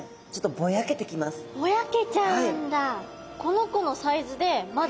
ぼやけちゃうんだ。